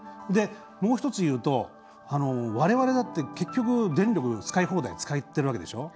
もう一つ言うとわれわれだって結局電力使い放題使ってるわけでしょ。